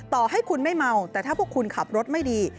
ต่อให้คุณไม่เมาแต่ถ้าพวกคุณขับรถไม่ดี